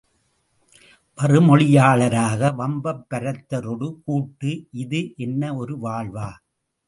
வறுமொழியாளராக வம்பப் பரத்தரொடு கூட்டு இது என்ன ஒரு வாழ்வா?